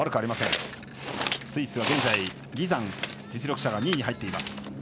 スイスは現在、ギザン実力者が２位に入っています。